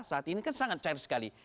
saat ini kan sangat cair sekali